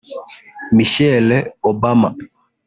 Michelle Obama